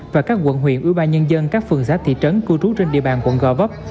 và các quận huyện ưu ba nhân dân các phường xác thị trấn cư trú trên địa bàn quận gò vấp